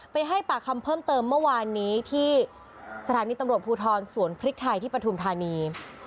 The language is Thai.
ให้ปากคำเพิ่มเติมเมื่อวานนี้ที่สถานีตำรวจภูทรสวนพริกไทยที่ปฐุมธานี